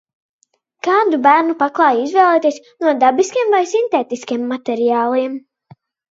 Kādu bērnu paklāju izvēlēties – no dabiskiem vai sintētiskiem materiāliem?